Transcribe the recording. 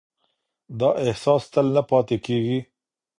دا احساس تل نه پاتې کېږي.